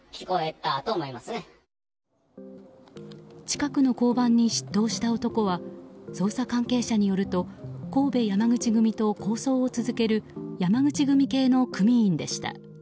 近くの交番に出頭した男は捜査関係者によると神戸山口組と抗争を続ける山口組系の組員でした。